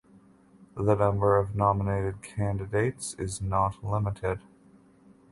The number of nominated candidates is not limited.